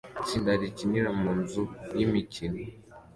Itsinda rikinira mu nzu yimikino